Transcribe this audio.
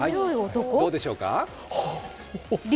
どうでしょうか？